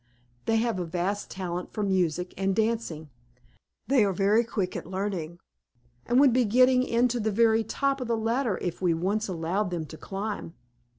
They have a vast talent for music and dancing; they are very quick at learning, and would be getting to the very top of the ladder if we once allowed them to climb.